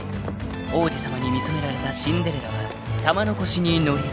［王子様に見初められたシンデレラは玉のこしに乗り